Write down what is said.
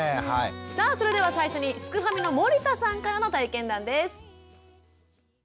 さあそれでは最初にすくファミの森田さんからの体験談です。